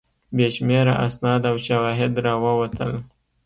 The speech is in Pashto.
بې شمېره اسناد او شواهد راووتل.